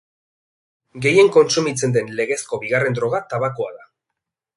Gehien kontsumitzen den legezko bigarren droga tabakoa da.